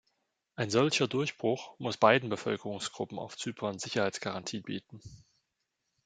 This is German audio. Ein solcher Durchbruch muss beiden Bevölkerungsgruppen auf Zypern Sicherheitsgarantien bieten.